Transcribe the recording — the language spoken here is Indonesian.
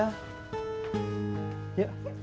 tapi sebelum kamu mulai kerja disini